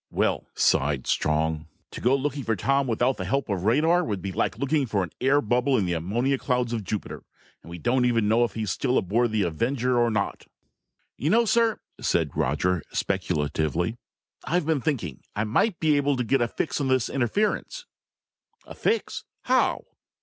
"Well," sighed Strong, "to go looking for Tom without the help of radar would be like looking for an air bubble in the ammonia clouds of Jupiter. And we don't even know if he's still aboard the Avenger or not!" "You know, sir," said Roger speculatively, "I've been thinking. I might be able to get a fix on this interference." "A fix? How?"